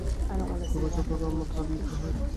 দু বছর পর তাঁর মৃত্যু হয়।